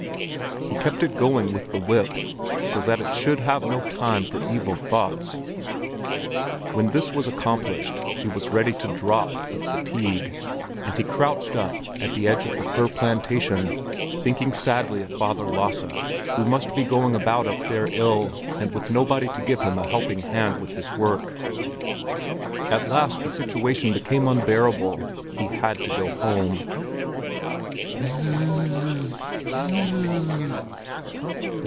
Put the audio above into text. He kept it going with the whip, so that it should have no time for evil thoughts. When this was accomplished, he was ready to drop with fatigue, and lay crouched up at the edge of the fir plantation, thinking sadly of Father Lasse, who must be going about up there ill and with nobody to give him a helping hand with his work. At last the situation became unbearable: he had to go home! _Zzzz! Zzzz!